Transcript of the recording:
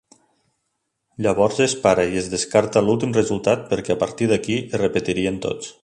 Llavors es para i es descarta l'últim resultat perquè a partir d'aquí es repetirien tots.